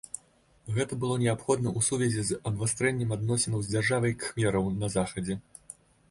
Гэта было неабходна ў сувязі з абвастрэннем адносінаў з дзяржавай кхмераў на захадзе.